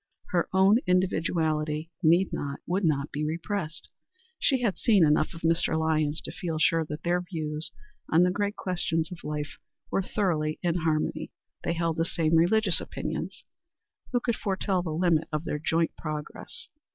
Her own individuality need not, would not be repressed. She had seen enough of Mr. Lyons to feel sure that their views on the great questions of life were thoroughly in harmony. They held the same religious opinions. Who could foretell the limit of their joint progress?